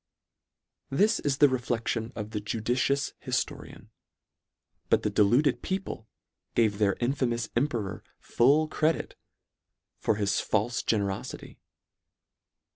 This is the reflection of the judicious hif torian : but the deluded people gave their infamous emperor full credit for his falfe generofity.